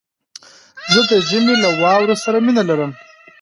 زه د ژمي له واورو سره مينه لرم